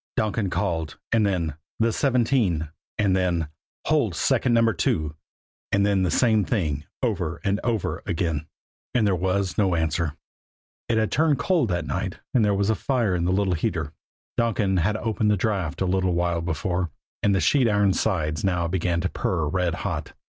"CS CS CS," Donkin called; and then, "the seventeen," and then, "hold second Number Two." And then the same thing over and over again. And there was no answer. It had turned cold that night and there was a fire in the little heater. Donkin had opened the draft a little while before, and the sheet iron sides now began to purr red hot.